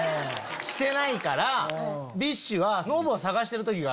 してないからＢｉＳＨは。